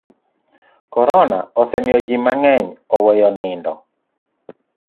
Korona osemiyo ji mang'eny oweyo nindo.